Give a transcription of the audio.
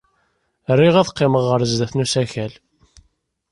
Riɣ ad qqimeɣ ɣer sdat n usakal.